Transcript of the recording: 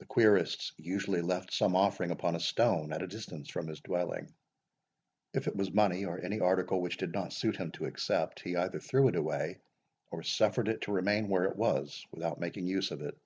The querists usually left some offering upon a stone, at a distance from his dwelling; if it was money, or any article which did not suit him to accept, he either threw it away, or suffered it to remain where it was without making use of it.